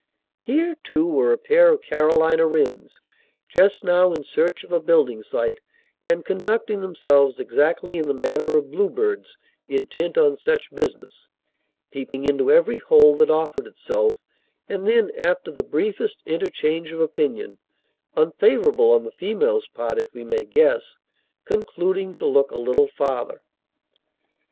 Here, too, were a pair of Carolina wrens, just now in search of a building site, and conducting themselves exactly in the manner of bluebirds intent on such business; peeping into every hole that offered itself, and then, after the briefest interchange of opinion, unfavorable on the female's part, if we may guess, concluding to look a little farther.